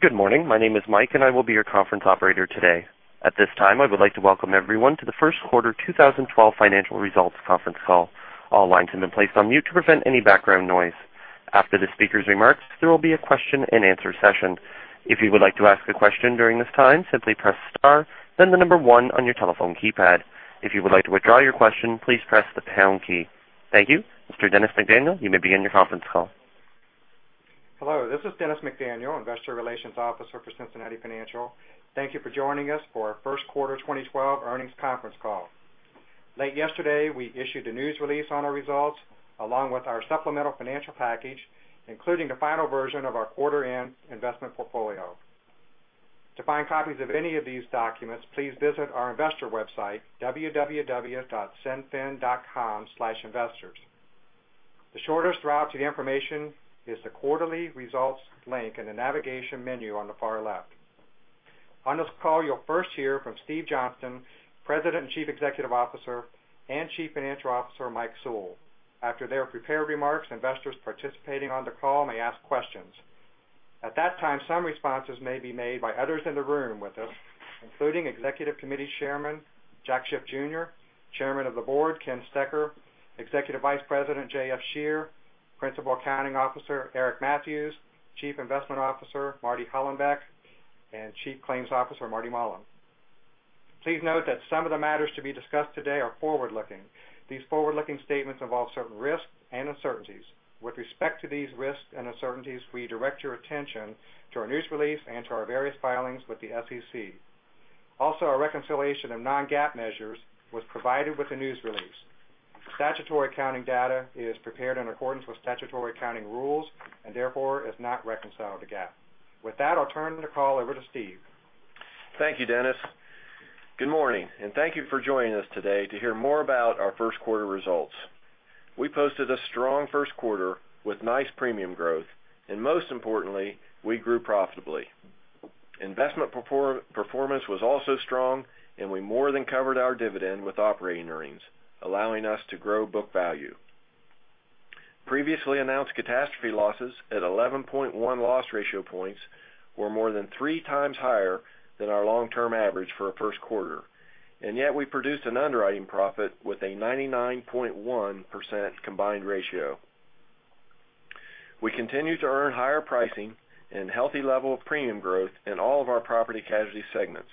Good morning. My name is Mike, and I will be your conference operator today. At this time, I would like to welcome everyone to the first quarter 2012 financial results conference call. All lines have been placed on mute to prevent any background noise. After the speaker's remarks, there will be a question and answer session. If you would like to ask a question during this time, simply press star, then the number 1 on your telephone keypad. If you would like to withdraw your question, please press the pound key. Thank you. Mr. Dennis McDaniel, you may begin your conference call. Hello, this is Dennis McDaniel, investor relations officer for Cincinnati Financial. Thank you for joining us for our first quarter 2012 earnings conference call. Late yesterday, we issued a news release on our results, along with our supplemental financial package, including the final version of our quarter end investment portfolio. To find copies of any of these documents, please visit our investor website, www.cinfin.com/investors. The shortest route to the information is the Quarterly Results link in the navigation menu on the far left. On this call, you'll first hear from Steve Johnston, president and chief executive officer, and chief financial officer, Mike Sewell. After their prepared remarks, investors participating on the call may ask questions. At that time, some responses may be made by others in the room with us, including executive committee chairman, Jack Schiff Jr., chairman of the board, Ken Stoecker, executive vice president, J.F. Scherer, principal accounting officer, Eric Matthews, chief investment officer, Marty Hollenbeck, and chief claims officer, Marty Mullen. Please note that some of the matters to be discussed today are forward looking. These forward-looking statements involve certain risks and uncertainties. With respect to these risks and uncertainties, we direct your attention to our news release and to our various filings with the SEC. Also, our reconciliation of non-GAAP measures was provided with the news release. Statutory accounting data is prepared in accordance with statutory accounting rules and therefore is not reconciled to GAAP. With that, I'll turn the call over to Steve. Thank you, Dennis. Good morning, and thank you for joining us today to hear more about our first quarter results. We posted a strong first quarter with nice premium growth, and most importantly, we grew profitably. Investment performance was also strong, and we more than covered our dividend with operating earnings, allowing us to grow book value. Previously announced catastrophe losses at 11.1 loss ratio points were more than three times higher than our long term average for a first quarter. Yet we produced an underwriting profit with a 99.1% combined ratio. We continue to earn higher pricing and healthy level of premium growth in all of our property casualty segments,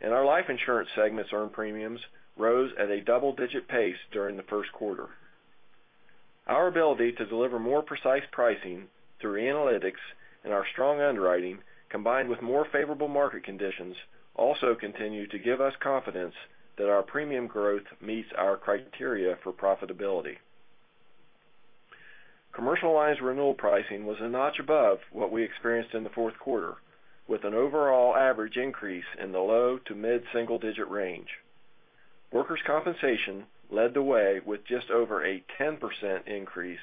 and our life insurance segments earned premiums rose at a double digit pace during the first quarter. Our ability to deliver more precise pricing through analytics and our strong underwriting, combined with more favorable market conditions, also continue to give us confidence that our premium growth meets our criteria for profitability. Commercial lines renewal pricing was a notch above what we experienced in the fourth quarter, with an overall average increase in the low to mid-single digit range. Workers' compensation led the way with just over a 10% increase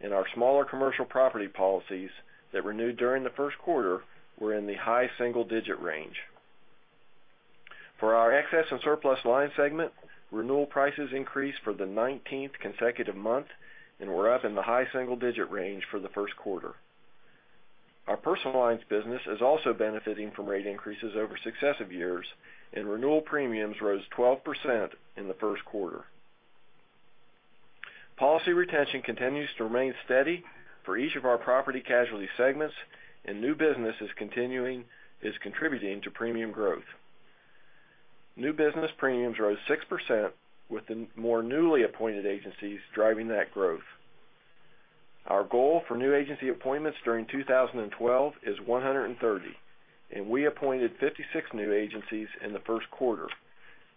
in our smaller commercial property policies that renewed during the first quarter were in the high single digit range. For our excess and surplus lines segment, renewal prices increased for the 19th consecutive month and were up in the high single digit range for the first quarter. Our personal lines business is also benefiting from rate increases over successive years, and renewal premiums rose 12% in the first quarter. Policy retention continues to remain steady for each of our property casualty segments, and new business is contributing to premium growth. New business premiums rose 6%, with the more newly appointed agencies driving that growth. Our goal for new agency appointments during 2012 is 130, and we appointed 56 new agencies in the first quarter.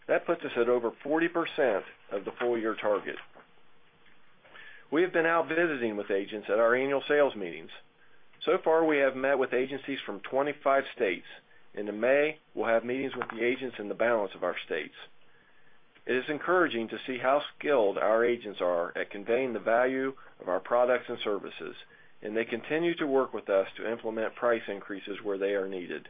That puts us at over 40% of the full year target. We have been out visiting with agents at our annual sales meetings. So far, we have met with agencies from 25 states, and in May, we'll have meetings with the agents in the balance of our states. It is encouraging to see how skilled our agents are at conveying the value of our products and services, and they continue to work with us to implement price increases where they are needed.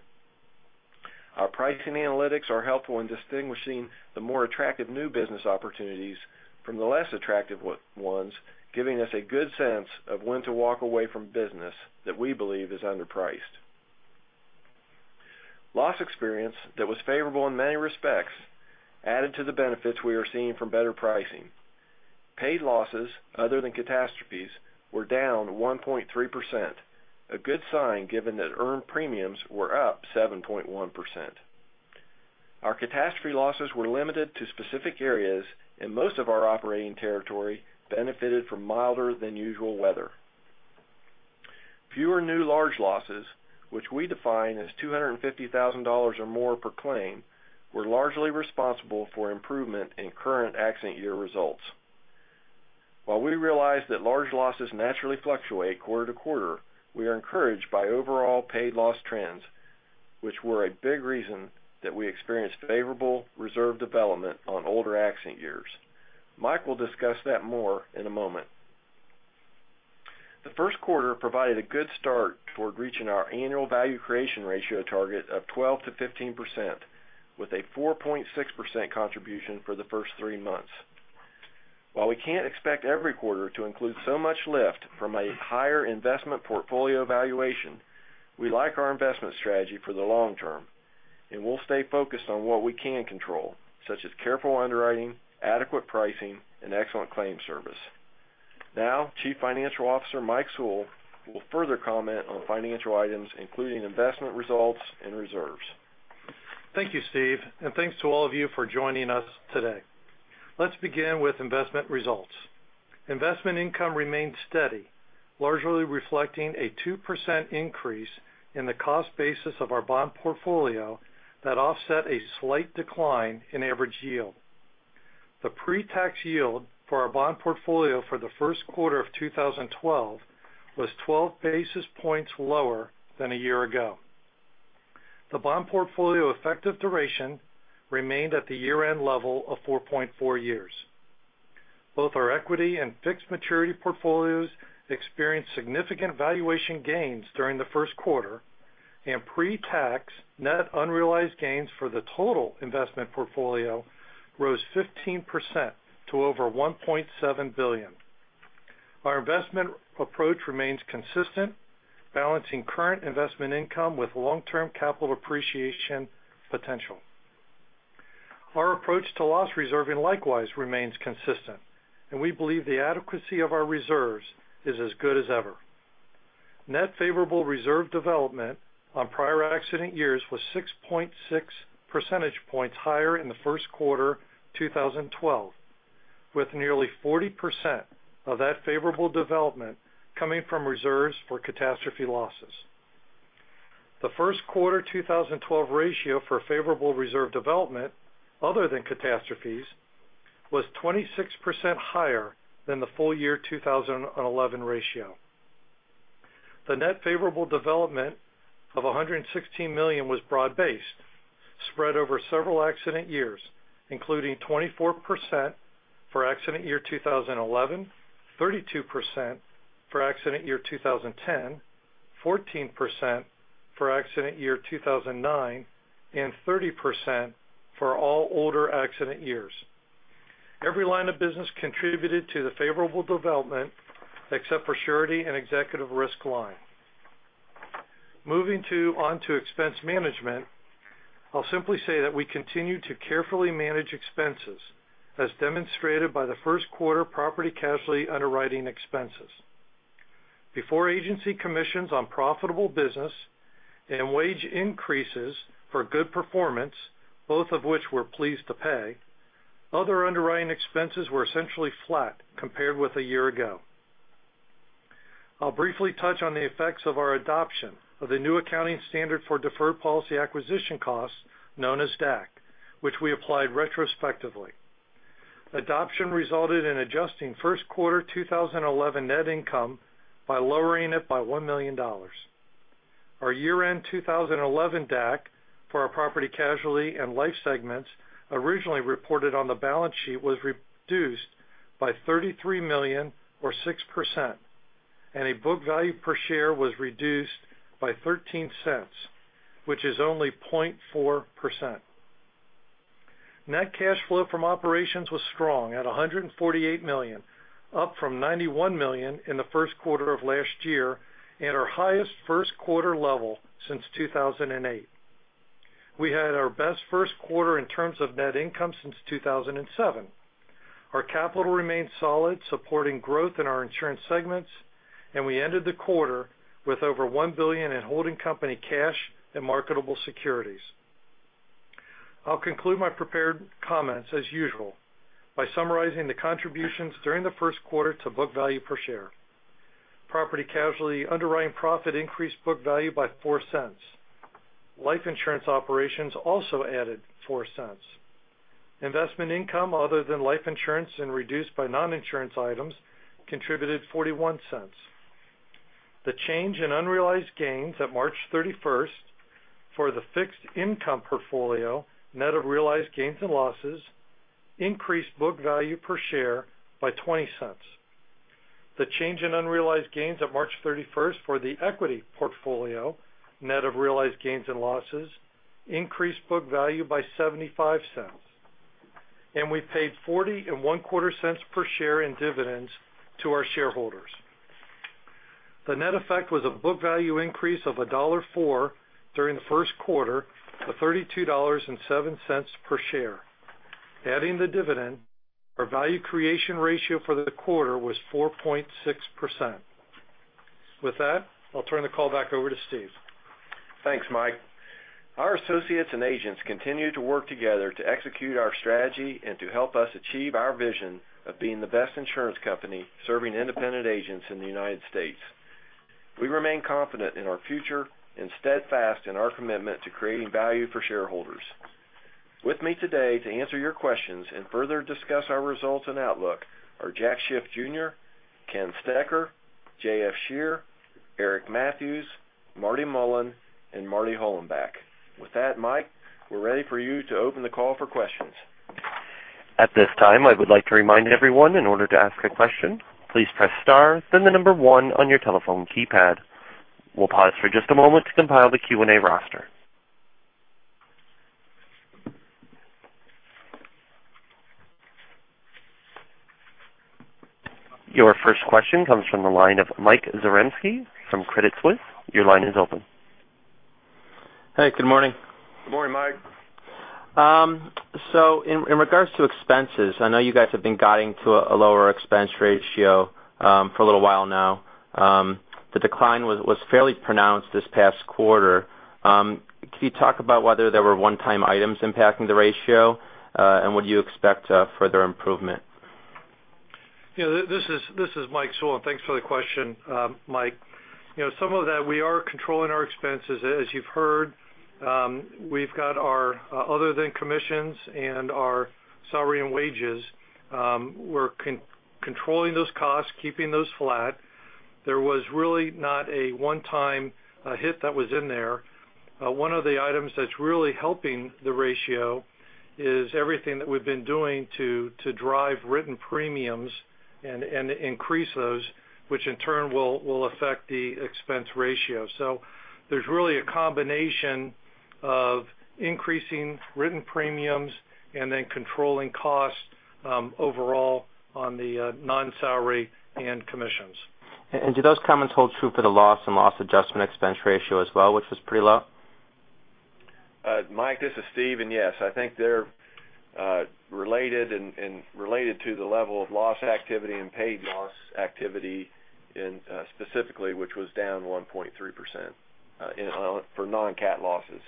Our pricing analytics are helpful in distinguishing the more attractive new business opportunities from the less attractive ones, giving us a good sense of when to walk away from business that we believe is underpriced. Loss experience that was favorable in many respects added to the benefits we are seeing from better pricing. Paid losses, other than catastrophes, were down 1.3%, a good sign given that earned premiums were up 7.1%. Our catastrophe losses were limited to specific areas, and most of our operating territory benefited from milder than usual weather. Fewer new large losses, which we define as $250,000 or more per claim, were largely responsible for improvement in current accident year results. While we realize that large losses naturally fluctuate quarter to quarter, we are encouraged by overall paid loss trends, which were a big reason that we experienced favorable reserve development on older accident years. Mike will discuss that more in a moment. The first quarter provided a good start toward reaching our annual value creation ratio target of 12%-15%, with a 4.6% contribution for the first three months. While we can't expect every quarter to include so much lift from a higher investment portfolio valuation, we like our investment strategy for the long term, and we'll stay focused on what we can control, such as careful underwriting, adequate pricing, and excellent claim service. Now, Chief Financial Officer Mike Sewell will further comment on financial items, including investment results and reserves. Thank you, Steve, and thanks to all of you for joining us today. Let's begin with investment results. Investment income remained steady, largely reflecting a 2% increase in the cost basis of our bond portfolio that offset a slight decline in average yield. The pre-tax yield for our bond portfolio for the first quarter of 2012 was 12 basis points lower than a year ago. The bond portfolio effective duration remained at the year-end level of 4.4 years. Both our equity and fixed maturity portfolios experienced significant valuation gains during the first quarter, and pre-tax net unrealized gains for the total investment portfolio rose 15% to over $1.7 billion. Our investment approach remains consistent, balancing current investment income with long-term capital appreciation potential. Our approach to loss reserving likewise remains consistent, and we believe the adequacy of our reserves is as good as ever. Net favorable reserve development on prior accident years was 6.6 percentage points higher in the first quarter 2012, with nearly 40% of that favorable development coming from reserves for catastrophe losses. The first quarter 2012 ratio for favorable reserve development, other than catastrophes, was 26% higher than the full year 2011 ratio. The net favorable development of $116 million was broad-based, spread over several accident years, including 24% for accident year 2011, 32% for accident year 2010, 14% for accident year 2009, and 30% for all older accident years. Every line of business contributed to the favorable development except for surety and executive risk line. Moving on to expense management, I'll simply say that we continue to carefully manage expenses, as demonstrated by the first quarter property casualty underwriting expenses. Before agency commissions on profitable business and wage increases for good performance, both of which we're pleased to pay, other underwriting expenses were essentially flat compared with a year ago. I'll briefly touch on the effects of our adoption of the new accounting standard for deferred policy acquisition costs, known as DAC, which we applied retrospectively. Adoption resulted in adjusting first quarter 2011 net income by lowering it by $1 million. Our year-end 2011 DAC for our property casualty and life segments originally reported on the balance sheet was reduced by $33 million or 6%, and a book value per share was reduced by $0.13, which is only 0.4%. Net cash flow from operations was strong at $148 million, up from $91 million in the first quarter of last year and our highest first quarter level since 2008. We had our best first quarter in terms of net income since 2007. Our capital remained solid, supporting growth in our insurance segments, and we ended the quarter with over $1 billion in holding company cash and marketable securities. I'll conclude my prepared comments, as usual, by summarizing the contributions during the first quarter to book value per share. Property casualty underwriting profit increased book value by $0.04. Life insurance operations also added $0.04. Investment income other than life insurance and reduced by non-insurance items contributed $0.41. The change in unrealized gains at March 31st for the fixed income portfolio, net of realized gains and losses, increased book value per share by $0.20. The change in unrealized gains at March 31st for the equity portfolio, net of realized gains and losses, increased book value by $0.75. We paid $0.4025 per share in dividends to our shareholders. The net effect was a book value increase of $1.04 during the first quarter to $32.07 per share. Adding the dividend, our value creation ratio for the quarter was 4.6%. With that, I'll turn the call back over to Steve. Thanks, Mike. Our associates and agents continue to work together to execute our strategy and to help us achieve our vision of being the best insurance company serving independent agents in the United States. We remain confident in our future and steadfast in our commitment to creating value for shareholders. With me today to answer your questions and further discuss our results and outlook are Jack Schiff Jr., Ken Stecher, J.F. Scherer, Eric Mathews, Marty Mullen, and Marty Hollenbeck. With that, Mike, we're ready for you to open the call for questions. At this time, I would like to remind everyone, in order to ask a question, please press star, then the number one on your telephone keypad. We'll pause for just a moment to compile the Q&A roster. Your first question comes from the line of Mike Zaremski from Credit Suisse. Your line is open. Hey, good morning. Good morning, Mike. In regards to expenses, I know you guys have been guiding to a lower expense ratio for a little while now. The decline was fairly pronounced this past quarter. Can you talk about whether there were one-time items impacting the ratio? Would you expect further improvement? This is Mike Sewell. Thanks for the question, Mike. Some of that, we are controlling our expenses. As you've heard, we've got our other than commissions and our salary and wages. We're controlling those costs, keeping those flat. There was really not a one-time hit that was in there. One of the items that's really helping the ratio is everything that we've been doing to drive written premiums and increase those, which in turn will affect the expense ratio. There's really a combination of increasing written premiums and then controlling costs overall on the non-salary and commissions. Do those comments hold true for the loss and loss adjustment expense ratio as well, which was pretty low? Mike, this is Steve Johnston. Yes, I think they're related to the level of loss activity and paid loss activity specifically, which was down 1.3% for non-cat losses.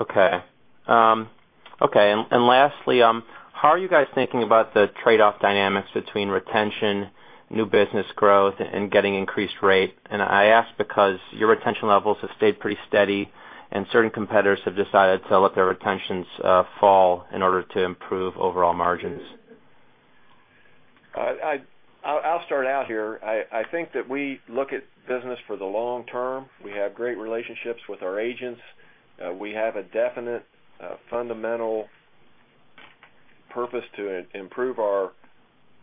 Okay. Lastly, how are you guys thinking about the trade-off dynamics between retention, new business growth, and getting increased rate? I ask because your retention levels have stayed pretty steady and certain competitors have decided to let their retentions fall in order to improve overall margins. I'll start out here. I think that we look at business for the long term. We have great relationships with our agents. We have a definite fundamental purpose to improve our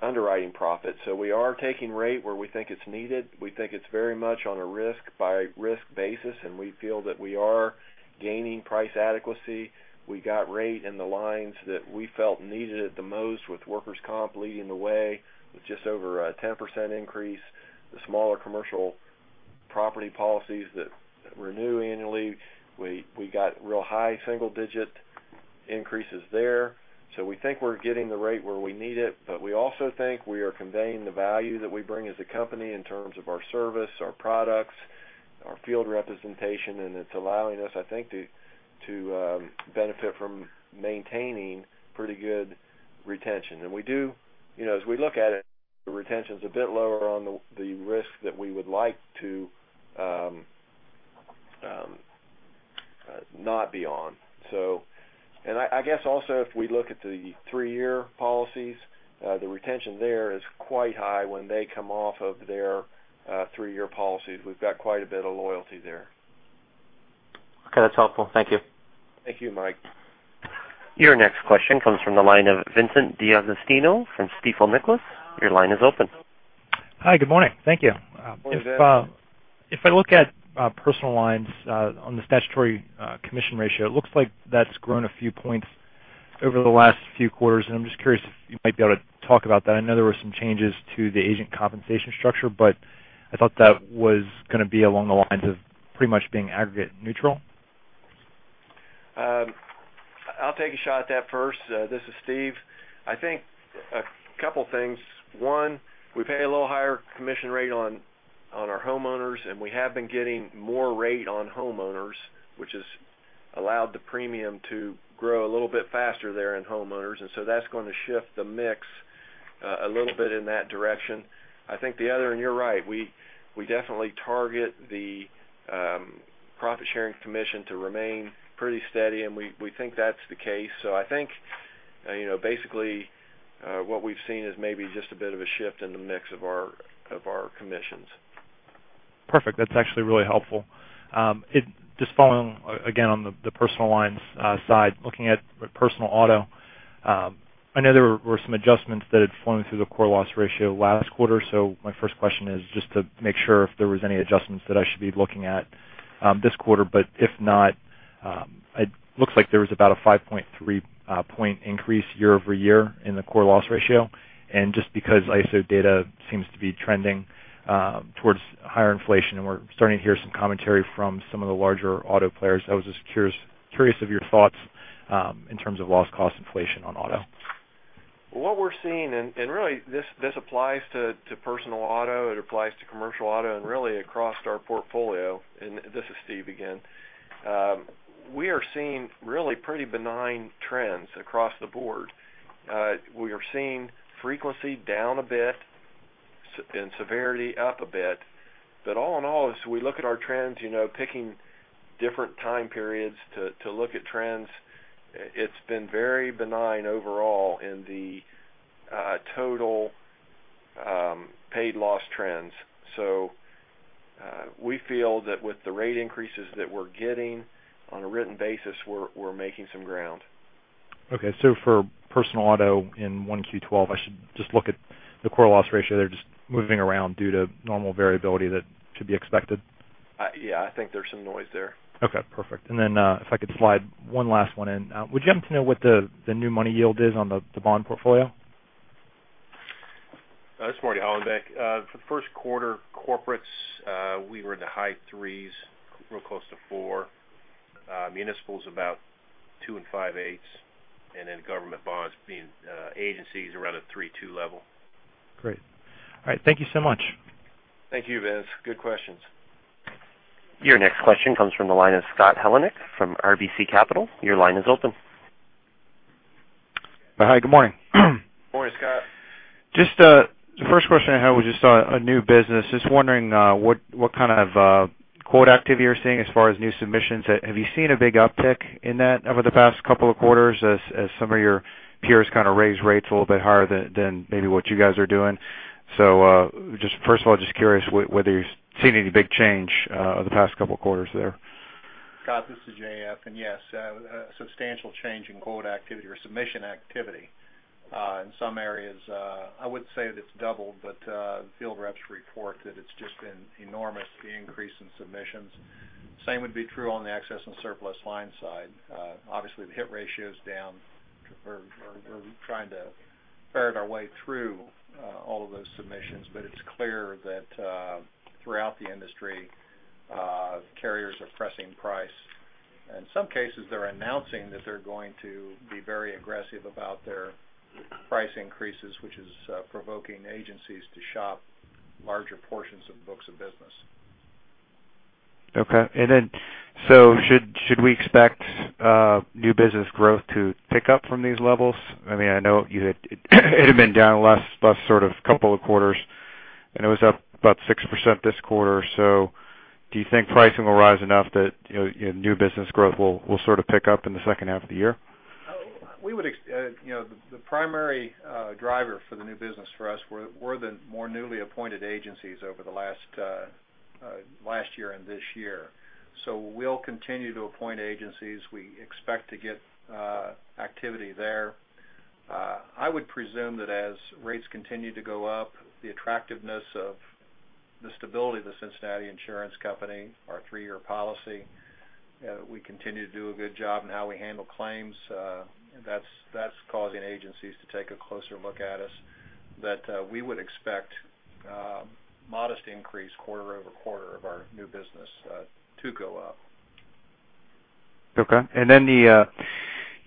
underwriting profits. We are taking rate where we think it's needed. We think it's very much on a risk-by-risk basis, and we feel that we are gaining price adequacy. We got rate in the lines that we felt needed it the most with workers' comp leading the way with just over a 10% increase. The smaller commercial property policies that renew annually, we got real high single-digit increases there. We think we're getting the rate where we need it. We also think we are conveying the value that we bring as a company in terms of our service, our products, our field representation, and it's allowing us, I think, to benefit from maintaining pretty good retention. As we look at it, the retention's a bit lower on the risk that we would like to not be on. I guess also, if we look at the three-year policies, the retention there is quite high when they come off of their three-year policies. We've got quite a bit of loyalty there. Okay. That's helpful. Thank you. Thank you, Mike. Your next question comes from the line of Vincent D'Agostino from Stifel Nicolaus. Your line is open. Hi, good morning. Thank you. Good morning, Vincent. I look at personal lines on the statutory commission ratio, it looks like that's grown a few points over the last few quarters. I'm just curious if you might be able to talk about that. I know there were some changes to the agent compensation structure, I thought that was going to be along the lines of pretty much being aggregate neutral. I'll take a shot at that first. This is Steve. I think a couple of things. One, we pay a little higher commission rate on our homeowners. We have been getting more rate on homeowners, which has allowed the premium to grow a little bit faster there in homeowners. That's going to shift the mix a little bit in that direction. I think the other, you're right, we definitely target the profit-sharing commission to remain pretty steady. We think that's the case. I think basically, what we've seen is maybe just a bit of a shift in the mix of our commissions. Perfect. That's actually really helpful. Just following again on the personal lines side, looking at personal auto, I know there were some adjustments that had flown through the core loss ratio last quarter. My first question is just to make sure if there was any adjustments that I should be looking at this quarter. If not, it looks like there was about a 5.3 point increase year-over-year in the core loss ratio. Just because ISO data seems to be trending towards higher inflation, we're starting to hear some commentary from some of the larger auto players, I was just curious of your thoughts in terms of loss cost inflation on auto. What we're seeing, really this applies to personal auto, it applies to commercial auto, really across our portfolio, and this is Steve again. We are seeing really pretty benign trends across the board. We are seeing frequency down a bit and severity up a bit. All in all, as we look at our trends, picking different time periods to look at trends, it's been very benign overall in the total paid loss trends. We feel that with the rate increases that we're getting on a written basis, we're making some ground. For personal auto in 1Q12, I should just look at the core loss ratio. They're just moving around due to normal variability that should be expected? I think there's some noise there. Perfect. If I could slide one last one in. Would you happen to know what the new money yield is on the bond portfolio? It's Marty Hollenbeck. For the first quarter corporates, we were in the high threes, real close to four%. Municipal's about two and five eighths%, and then government bonds being agencies around a 3.2% level. Great. All right. Thank you so much. Thank you, Vince. Good questions. Your next question comes from the line of Scott Heleniak from RBC Capital. Your line is open. Hi. Good morning. Morning, Scott. Just the first question I had was just on new business. Just wondering what kind of quote activity you're seeing as far as new submissions. Have you seen a big uptick in that over the past couple of quarters as some of your peers kind of raised rates a little bit higher than maybe what you guys are doing? Just first of all, just curious whether you've seen any big change over the past couple of quarters there. Scott, this is J.F., and yes, a substantial change in quote activity or submission activity in some areas. I wouldn't say that it's doubled, but field reps report that it's just been enormous, the increase in submissions. Same would be true on the excess and surplus lines side. Obviously, the hit ratio is down. We're trying to ferret our way through all of those submissions. It's clear that throughout the industry, carriers are pressing price. In some cases, they're announcing that they're going to be very aggressive about their price increases, which is provoking agencies to shop larger portions of books of business. Okay. Should we expect new business growth to pick up from these levels? I know it had been down the last sort of couple of quarters, it was up about 6% this quarter. Do you think pricing will rise enough that new business growth will sort of pick up in the second half of the year? The primary driver for the new business for us were the more newly appointed agencies over the last year and this year. We'll continue to appoint agencies. We expect to get activity there. I would presume that as rates continue to go up, the attractiveness of the stability of The Cincinnati Insurance Company, our three-year policy, we continue to do a good job in how we handle claims. That's causing agencies to take a closer look at us, that we would expect modest increase quarter over quarter of our new business to go up. Okay. You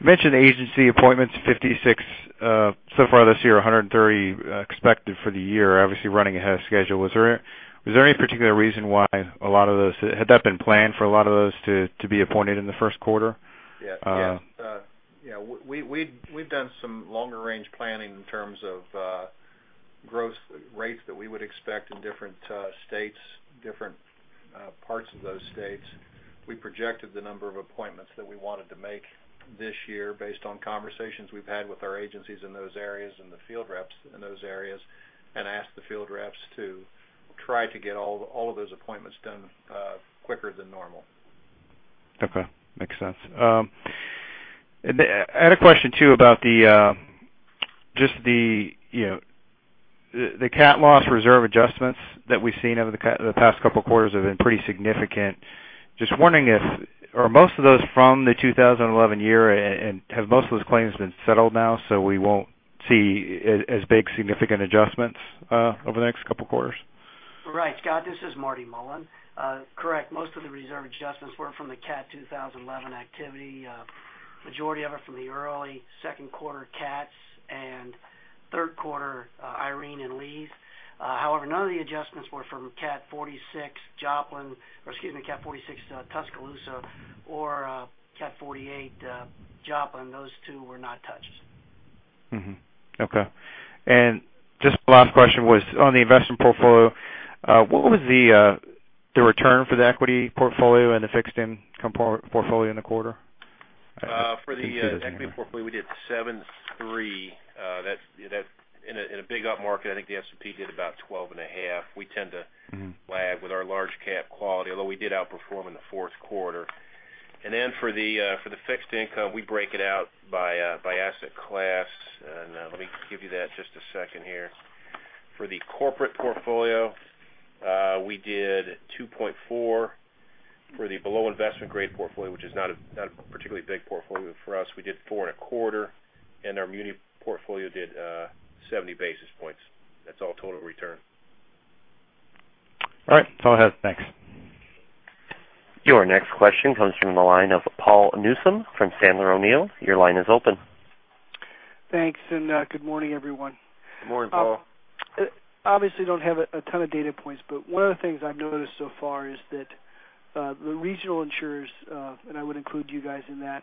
mentioned agency appointments, 56 so far this year, 130 expected for the year, obviously running ahead of schedule. Had that been planned for a lot of those to be appointed in the first quarter? Yes. We've done some longer range planning in terms of growth rates that we would expect in different states, different parts of those states. We projected the number of appointments that we wanted to make this year based on conversations we've had with our agencies in those areas and the field reps in those areas. We asked the field reps to try to get all of those appointments done quicker than normal. Okay. Makes sense. I had a question too about the cat loss reserve adjustments that we've seen over the past couple of quarters have been pretty significant. Just wondering if are most of those from the 2011 year, and have most of those claims been settled now, so we won't see as big significant adjustments over the next couple of quarters? Right, Scott Heleniak. This is Martin J. Mullen. Correct. Most of the reserve adjustments were from the cat 2011 activity. Majority of it from the early second quarter cats and third quarter Hurricane Irene and Tropical Storm Lee. However, none of the adjustments were from Catastrophe 46 Joplin, or excuse me, Catastrophe 46 Tuscaloosa or Catastrophe 48 Joplin. Those two were not touched. Okay. Just the last question was on the investment portfolio. What was the return for the equity portfolio and the fixed income portfolio in the quarter? For the equity portfolio, we did seven three. In a big up market, I think the S&P did about 12 and a half. We tend to lag with our large cap quality, although we did outperform in the fourth quarter. For the fixed income, we break it out by asset class. Let me give you that, just a second here. For the corporate portfolio, we did 2.4 for the below investment grade portfolio, which is not a particularly big portfolio for us. We did four and a quarter, and our muni portfolio did 70 basis points. That's all total return. All right. That's all I have. Thanks. Your next question comes from the line of Paul Newsome from Sandler O'Neill. Your line is open. Thanks. Good morning, everyone. Good morning, Paul. Obviously don't have a ton of data points, one of the things I've noticed so far is that the regional insurers, and I would include you guys in that,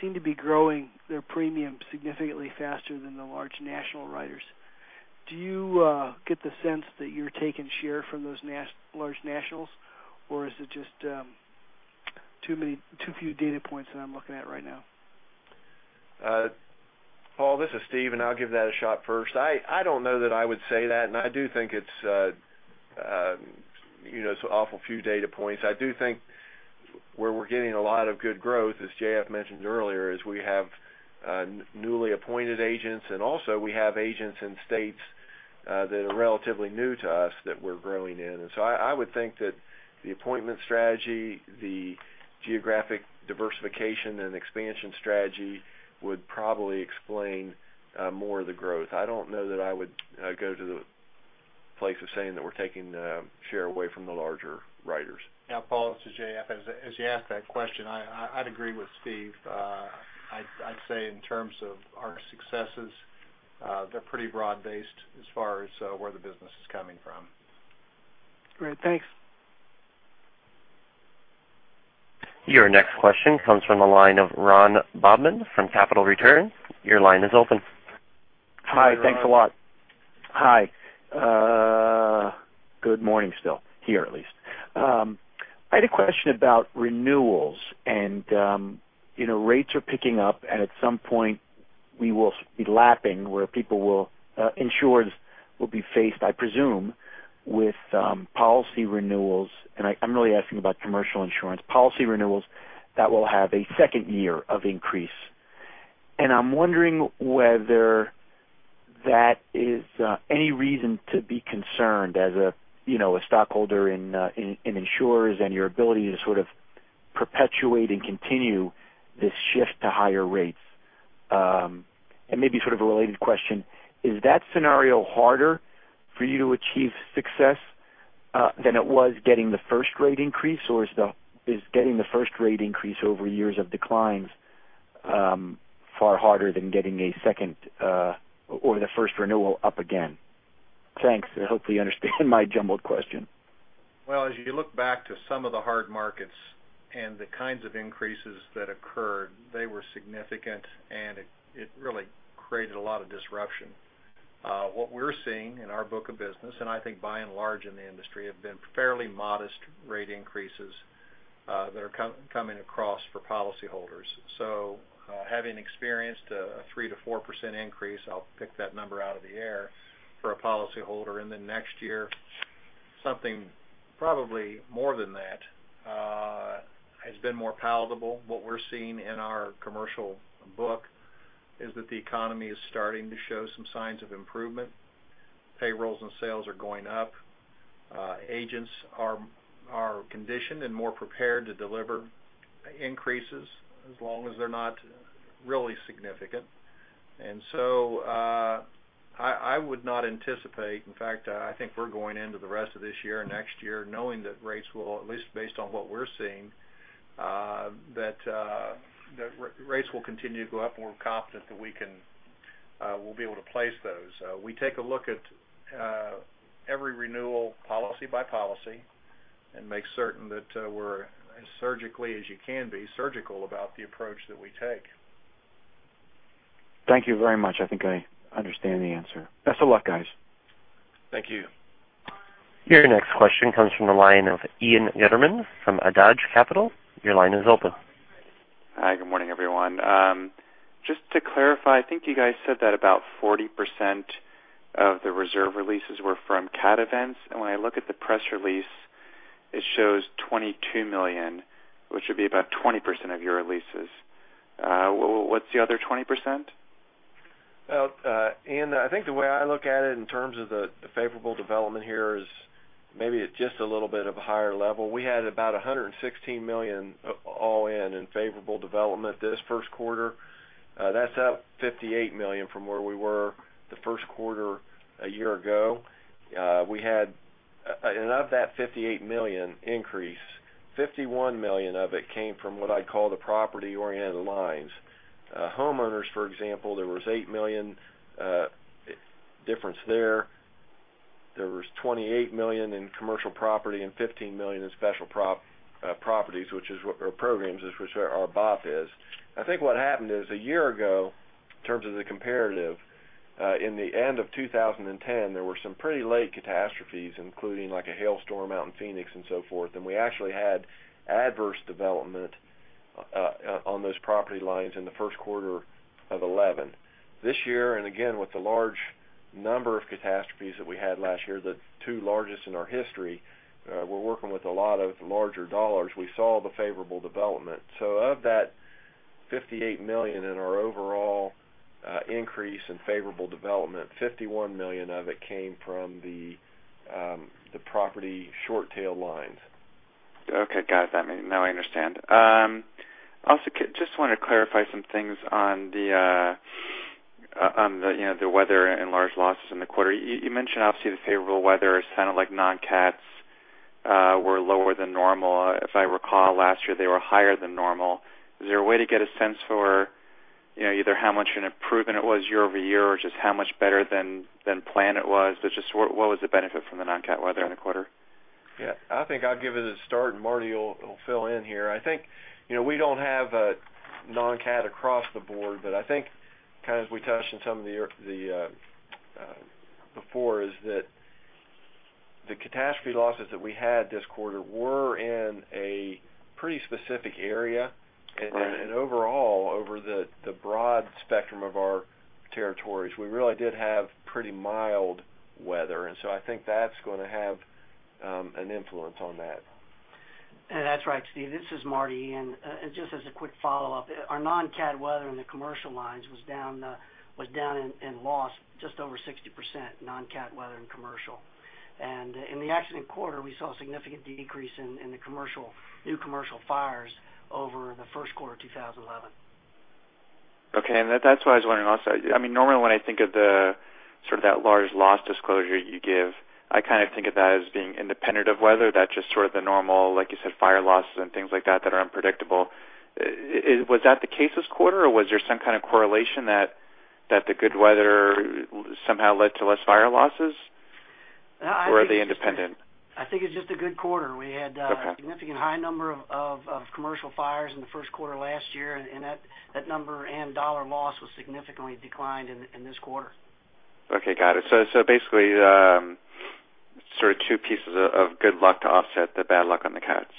seem to be growing their premium significantly faster than the large national writers. Do you get the sense that you're taking share from those large nationals, or is it just too few data points that I'm looking at right now? Paul, this is Steve, I'll give that a shot first. I don't know that I would say that, I do think it's an awful few data points. I do think where we're getting a lot of good growth, as J.F. mentioned earlier, is we have newly appointed agents also we have agents in states that are relatively new to us that we're growing in. I would think that the appointment strategy, the geographic diversification, and expansion strategy would probably explain more of the growth. I don't know that I would go to the place of saying that we're taking the share away from the larger writers. Yeah. Paul, this is J.F. As you asked that question, I'd agree with Steve. I'd say in terms of our successes, they're pretty broad-based as far as where the business is coming from. Great. Thanks. Your next question comes from the line of Ron Bobman from Capital Returns. Your line is open. Hi. Thanks a lot. Hi. Good morning still, here at least. I had a question about renewals, rates are picking up, at some point we will be lapping where insurers will be faced, I presume, with policy renewals. I'm really asking about commercial insurance policy renewals that will have a second year of increase. I'm wondering whether that is any reason to be concerned as a stockholder in insurers and your ability to sort of perpetuate and continue this shift to higher rates. Maybe sort of a related question, is that scenario harder for you to achieve success than it was getting the first rate increase? Is getting the first rate increase over years of declines far harder than getting a second or the first renewal up again? Thanks. I hope you understand my jumbled question. Well, as you look back to some of the hard markets and the kinds of increases that occurred, they were significant, it really created a lot of disruption. What we're seeing in our book of business, I think by and large in the industry, have been fairly modest rate increases that are coming across for policyholders. Having experienced a 3%-4% increase, I'll pick that number out of the air for a policyholder, next year, something probably more than that has been more palatable. What we're seeing in our commercial book is that the economy is starting to show some signs of improvement. Payrolls and sales are going up. Agents are conditioned and more prepared to deliver increases as long as they're not really significant. I would not anticipate, in fact, I think we're going into the rest of this year and next year knowing that rates will, at least based on what we're seeing, continue to go up, we're confident that we'll be able to place those. We take a look at every renewal policy by policy and make certain that we're as surgically as you can be surgical about the approach that we take. Thank you very much. I think I understand the answer. Best of luck, guys. Thank you. Your next question comes from the line of Ian Gutterman from Adage Capital. Your line is open. Hi, good morning, everyone. Just to clarify, I think you guys said that about 40% of the reserve releases were from cat events. When I look at the press release, it shows $22 million, which would be about 20% of your releases. What's the other 20%? Well, Ian, I think the way I look at it in terms of the favorable development here is maybe it's just a little bit of a higher level. We had about $116 million all in favorable development this first quarter. That's up $58 million from where we were the first quarter a year ago. Of that $58 million increase, $51 million of it came from what I call the property-oriented lines. Homeowners, for example, there was $8 million difference there. There was $28 million in commercial property and $15 million in special properties, which is what our programs, which our BOP is. I think what happened is a year ago, in terms of the comparative, in the end of 2010, there were some pretty late catastrophes, including like a hailstorm out in Phoenix and so forth. We actually had adverse development on those property lines in the first quarter of 2011. This year, again, with the large number of catastrophes that we had last year, the two largest in our history, we're working with a lot of larger dollars. We saw the favorable development. Of that $58 million in our overall increase in favorable development, $51 million of it came from the property short tail lines. Okay. Got it. Now I understand. Just want to clarify some things on the weather and large losses in the quarter. You mentioned obviously the favorable weather. It sounded like non-cats were lower than normal. If I recall last year, they were higher than normal. Is there a way to get a sense for either how much an improvement it was year-over-year or just how much better than plan it was? Just what was the benefit from the non-cat weather in the quarter? Yeah. I think I'll give it a start. Marty will fill in here. I think we don't have a non-cat across the board, but I think kind of as we touched on some of the before is that The catastrophe losses that we had this quarter were in a pretty specific area. Right. Overall, over the broad spectrum of our territories, we really did have pretty mild weather. I think that's going to have an influence on that. That's right, Steve. This is Marty. Just as a quick follow-up, our non-cat weather in the commercial lines was down in loss just over 60%, non-cat weather and commercial. In the accident quarter, we saw a significant decrease in the new commercial fires over the first quarter of 2011. Okay. That's what I was wondering also. Normally, when I think of the sort of that large loss disclosure you give, I kind of think of that as being independent of weather. That's just sort of the normal, like you said, fire losses and things like that that are unpredictable. Was that the case this quarter, or was there some kind of correlation that the good weather somehow led to less fire losses? Are they independent? I think it's just a good quarter. Okay. We had a significantly high number of commercial fires in the first quarter of last year, that number and dollar loss was significantly declined in this quarter. Okay. Got it. Basically, sort of two pieces of good luck to offset the bad luck on the cats.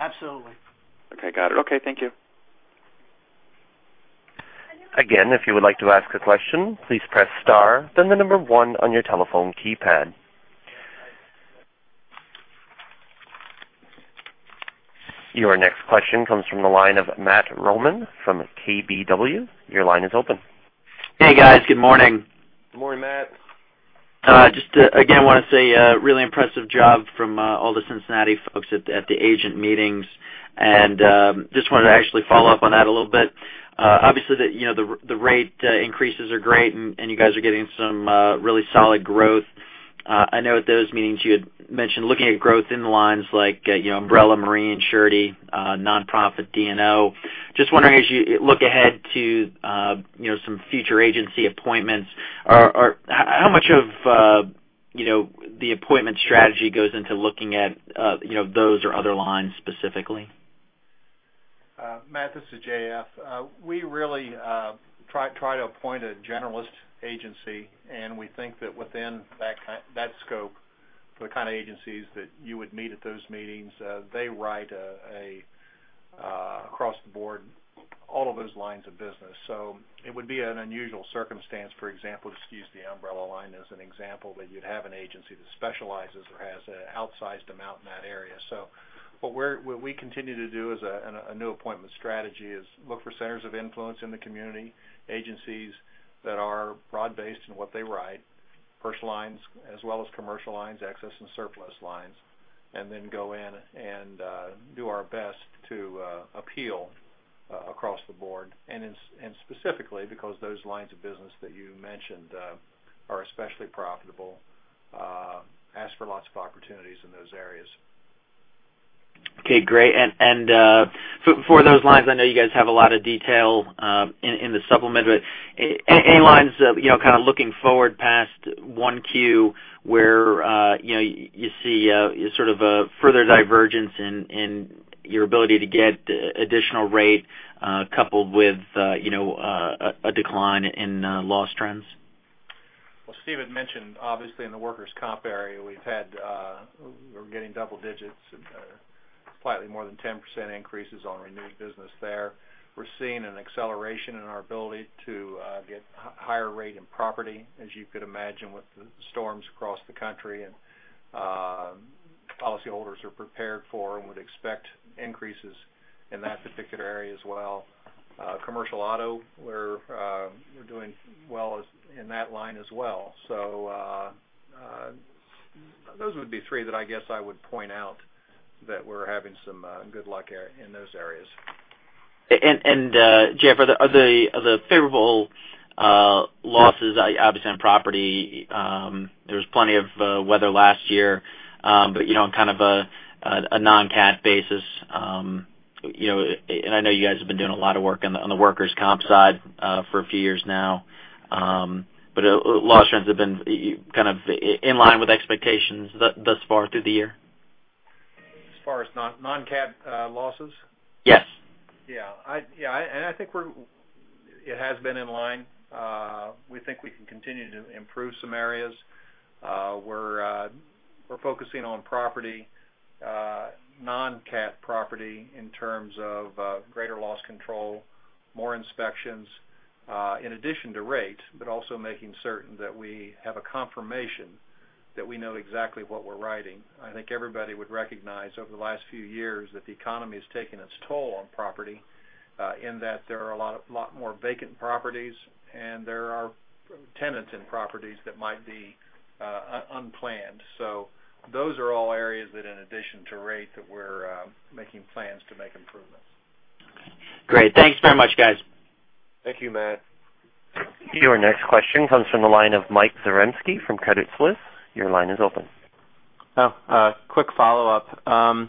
Absolutely. Okay, got it. Okay, thank you. Again, if you would like to ask a question, please press star, then the number 1 on your telephone keypad. Your next question comes from the line of Matt Rohrmann from KBW. Your line is open. Hey, guys. Good morning. Good morning, Matt. Just again, want to say a really impressive job from all the Cincinnati folks at the agent meetings, and just wanted to actually follow up on that a little bit. Obviously, the rate increases are great, and you guys are getting some really solid growth. I know at those meetings you had mentioned looking at growth in the lines like umbrella Marine and surety, nonprofit D&O. Just wondering, as you look ahead to some future agency appointments, how much of the appointment strategy goes into looking at those or other lines specifically? Matt, this is J.F. We really try to appoint a generalist agency. We think that within that scope for the kind of agencies that you would meet at those meetings, they write across the board all of those lines of business. It would be an unusual circumstance. For example, let's use the umbrella line as an example, that you'd have an agency that specializes or has an outsized amount in that area. What we continue to do as a new appointment strategy is look for centers of influence in the community, agencies that are broad-based in what they write, personal lines as well as commercial lines, excess and surplus lines, then go in and do our best to appeal across the board. Specifically because those lines of business that you mentioned are especially profitable, ask for lots of opportunities in those areas. Okay, great. For those lines, I know you guys have a lot of detail in the supplement, but any lines kind of looking forward past 1Q where you see sort of a further divergence in your ability to get additional rate coupled with a decline in loss trends? Well, Steve had mentioned, obviously, in the workers' comp area, we're getting double digits, slightly more than 10% increases on renewed business there. We're seeing an acceleration in our ability to get higher rate in property, as you could imagine, with the storms across the country. Policyholders are prepared for and would expect increases in that particular area as well. Commercial auto, we're doing well in that line as well. Those would be three that I guess I would point out that we're having some good luck in those areas. J.F., are the favorable losses, obviously, on property? There was plenty of weather last year. On kind of a non-cat basis, I know you guys have been doing a lot of work on the workers' comp side for a few years now, loss trends have been kind of in line with expectations thus far through the year? As far as non-cat losses? Yes. Yeah. I think it has been in line. We think we can continue to improve some areas. We're focusing on non-cat property in terms of greater loss control, more inspections in addition to rate, but also making certain that we have a confirmation that we know exactly what we're writing. I think everybody would recognize over the last few years that the economy has taken its toll on property in that there are a lot more vacant properties, and there are tenants in properties that might be unplanned. Those are all areas that in addition to rate, that we're making plans to make improvements. Great. Thanks very much, guys. Thank you, Matt. Your next question comes from the line of Mike Zaremski from Credit Suisse. Your line is open. A quick follow-up.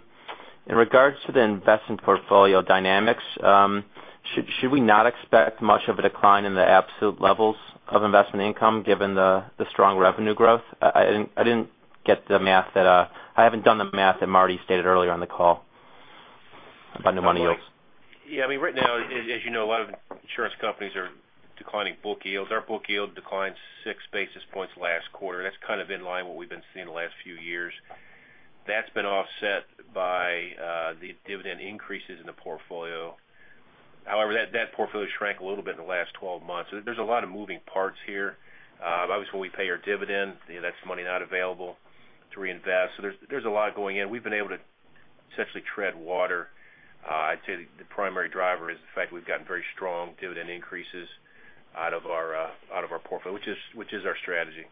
In regards to the investment portfolio dynamics, should we not expect much of a decline in the absolute levels of investment income given the strong revenue growth? I haven't done the math that Marty stated earlier on the call. About new money yields. Yeah. Right now, as you know, a lot of insurance companies are declining book yields. Our book yield declined six basis points last quarter. That's kind of in line with what we've been seeing the last few years. That's been offset by the dividend increases in the portfolio. However, that portfolio shrank a little bit in the last 12 months. There's a lot of moving parts here. Obviously, we pay our dividend. That's money not available to reinvest. There's a lot going in. We've been able to essentially tread water. I'd say the primary driver is the fact we've gotten very strong dividend increases out of our portfolio, which is our strategy.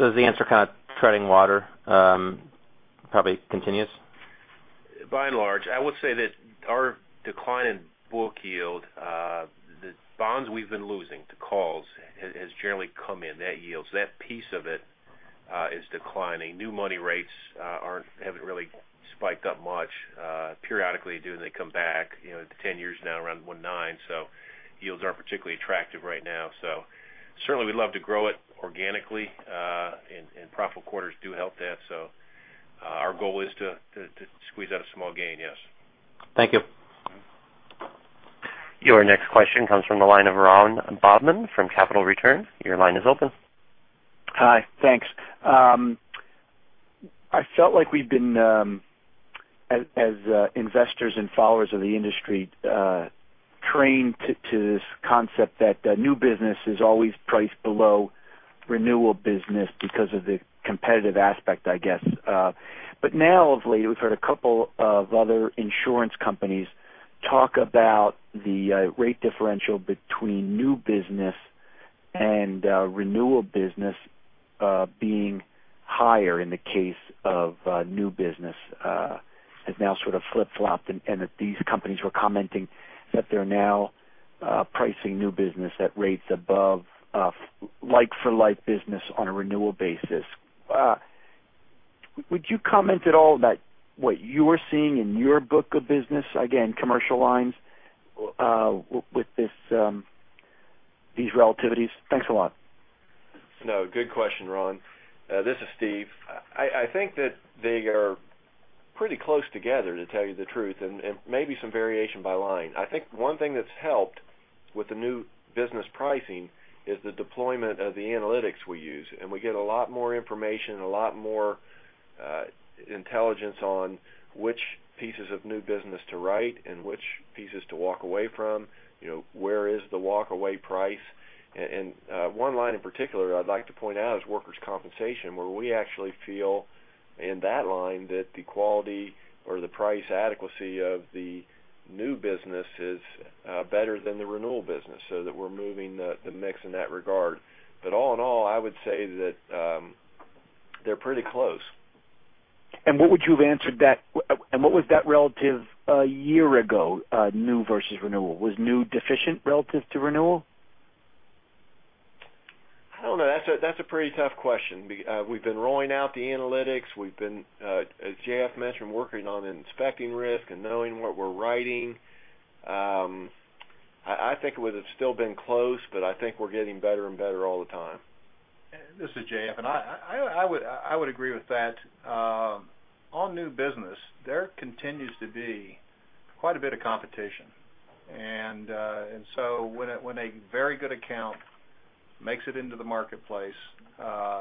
Is the answer kind of treading water, probably continuous? By and large. I would say that our decline in book yield, the bonds we've been losing to calls has generally come in. That yields, that piece of it, is declining. New money rates haven't really spiked up much. Periodically, they do, and they come back, the 10-year's now around 1.9%, so yields aren't particularly attractive right now. Certainly we'd love to grow it organically, and profitable quarters do help that. Our goal is to squeeze out a small gain, yes. Thank you. Your next question comes from the line of Ron Bobman from Capital Returns. Your line is open. Hi. Thanks. I felt like we've been, as investors and followers of the industry, trained to this concept that new business is always priced below renewal business because of the competitive aspect, I guess. Now, of late, we've heard a couple of other insurance companies talk about the rate differential between new business and renewal business being higher in the case of new business. It's now sort of flip-flopped, these companies were commenting that they're now pricing new business at rates above like-for-like business on a renewal basis. Would you comment at all about what you are seeing in your book of business, again, commercial lines, with these relativities? Thanks a lot. No, good question, Ron. This is Steve. I think that they are pretty close together, to tell you the truth, maybe some variation by line. I think one thing that's helped with the new business pricing is the deployment of the analytics we use, we get a lot more information and a lot more intelligence on which pieces of new business to write and which pieces to walk away from, where is the walk-away price. One line in particular I'd like to point out is workers' compensation, where we actually feel, in that line, that the quality or the price adequacy of the new business is better than the renewal business, so that we're moving the mix in that regard. All in all, I would say that they're pretty close. What was that relative a year ago, new versus renewal? Was new deficient relative to renewal? I don't know. That's a pretty tough question. We've been rolling out the analytics. We've been, as J.F. mentioned, working on inspecting risk and knowing what we're writing. I think it would have still been close, I think we're getting better and better all the time. This is J.F., I would agree with that. On new business, there continues to be quite a bit of competition. When a very good account makes it into the marketplace for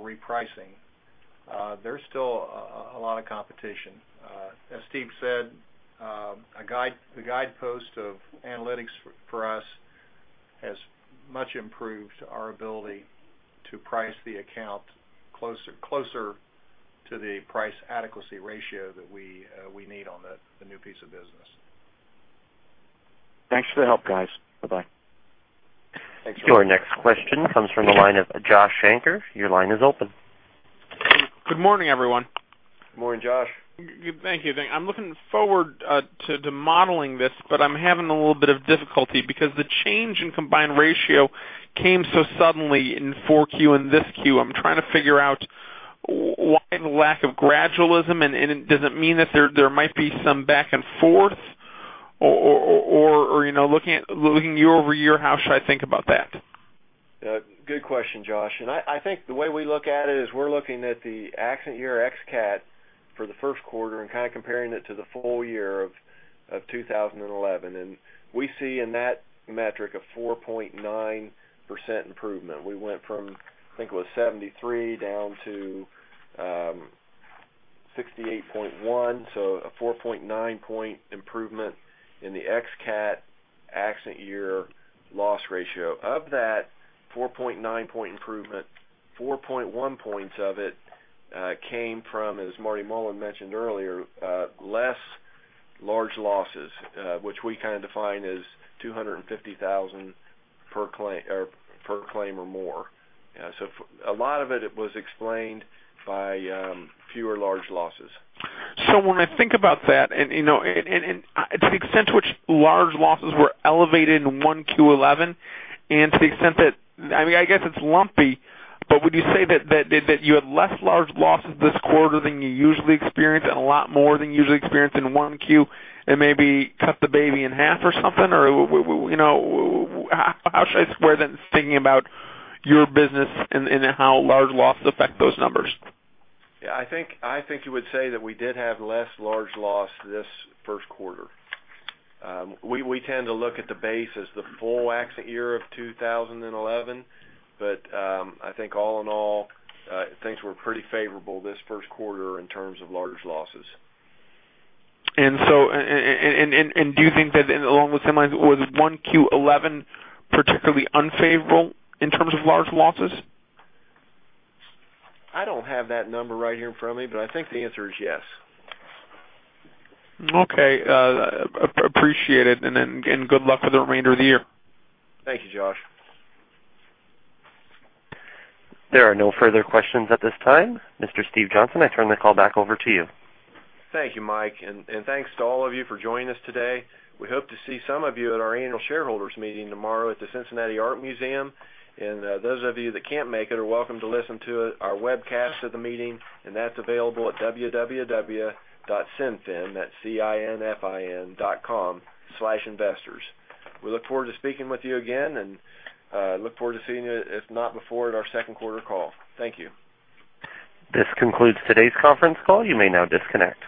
repricing, there's still a lot of competition. As Steve said, the guidepost of analytics for us has much improved our ability to price the account closer to the price adequacy ratio that we need on the new piece of business. Thanks for the help, guys. Bye-bye. Thanks, Ron. Your next question comes from the line of Joshua Shanker. Your line is open. Good morning, everyone. Good morning, Josh. Thank you. I'm looking forward to modeling this, but I'm having a little bit of difficulty because the change in combined ratio came so suddenly in 4Q and this Q. I'm trying to figure out why the lack of gradualism, and does it mean that there might be some back and forth? Or looking year-over-year, how should I think about that? Good question, Josh. I think the way we look at it is we're looking at the accident year ex-cat for the first quarter and kind of comparing it to the full year of 2011. We see in that metric a 4.9% improvement. We went from, I think it was 73 down to 68.1, a 4.9 point improvement in the ex-cat accident year loss ratio. Of that 4.9 point improvement, 4.1 points of it came from, as Marty Mullen mentioned earlier, less large losses, which we kind of define as $250,000 per claim or more. A lot of it was explained by fewer large losses. When I think about that, to the extent to which large losses were elevated in 1Q 2011, to the extent that, I guess it's lumpy, but would you say that you had less large loss this quarter than you usually experience and a lot more than you usually experience in 1Q and maybe cut the baby in half or something? How should I square that in thinking about your business and how large losses affect those numbers? Yeah, I think you would say that we did have less large loss this first quarter. We tend to look at the base as the full accident year of 2011. I think all in all, things were pretty favorable this first quarter in terms of large losses. Do you think that, along those same lines, was 1Q 2011 particularly unfavorable in terms of large losses? I don't have that number right here in front of me, but I think the answer is yes. Okay. Appreciate it, good luck for the remainder of the year. Thank you, Josh. There are no further questions at this time. Mr. Steve Johnston, I turn the call back over to you. Thank you, Mike, and thanks to all of you for joining us today. We hope to see some of you at our annual shareholders meeting tomorrow at the Cincinnati Art Museum. Those of you that can't make it are welcome to listen to our webcast of the meeting, and that's available at www.cinfin, that's C-I-N-F-I-N, .com/investors. We look forward to speaking with you again and look forward to seeing you, if not before, at our second quarter call. Thank you. This concludes today's conference call. You may now disconnect.